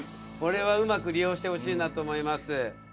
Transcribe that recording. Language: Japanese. これはうまく利用してほしいなと思います。